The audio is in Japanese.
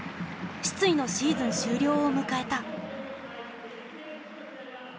失意のシーズン終了を迎えた。